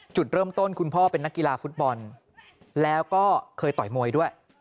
จุดเริ่มต้นคุณพ่อเป็นนักกีฬาฟุตบอลแล้วก็เคยต่อยมวยด้วย